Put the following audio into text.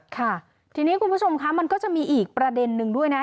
ค่ะทีนี้คุณผู้ชมคะมันก็จะมีอีกประเด็นนึงด้วยนะ